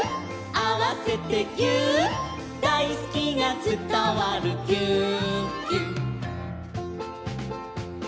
「あわせてぎゅーっ」「だいすきがつたわるぎゅーっぎゅっ」